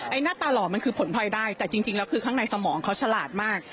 หน้าตาหล่อมันคือผลพลอยได้แต่จริงแล้วคือข้างในสมองเขาฉลาดมาก